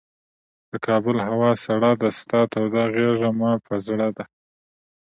د کابل هوا سړه ده، ستا توده غیږ مه په زړه ده